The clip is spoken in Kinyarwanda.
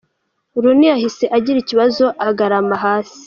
Rooney yahise agira ikibazo agarama hasi.